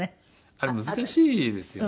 あれ難しいですよね。